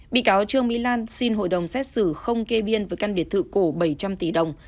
bị cáo trương mỹ lan xin hội đồng xét xử không kê biên với căn biệt thự cổ bảy trăm linh tỷ đồng